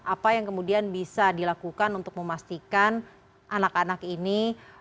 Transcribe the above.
apa yang kemudian bisa dilakukan untuk memastikan anak anak ini